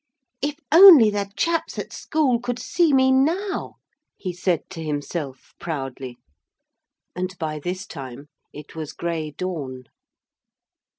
'If only the chaps at school could see me now!' he said to himself proudly. And by this time it was gray dawn.